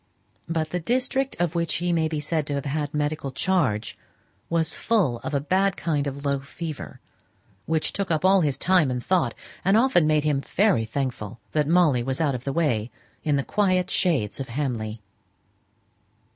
But the district of which he may be said to have had medical charge was full of a bad kind of low fever, which took up all his time and thought, and often made him very thankful that Molly was out of the way in the quiet shades of Hamley.